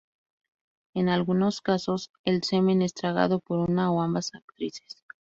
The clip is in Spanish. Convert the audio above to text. En algunos casos el semen es tragado por una o ambas actrices.